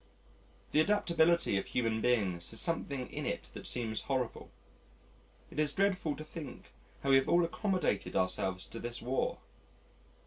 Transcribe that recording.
The adaptability of human beings has something in it that seems horrible. It is dreadful to think how we have all accommodated ourselves to this War.